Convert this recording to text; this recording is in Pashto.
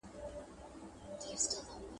• د گل د رويه اغزى هم اوبېږي.